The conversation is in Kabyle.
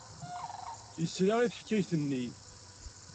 Yesla i teḥkayt-nni.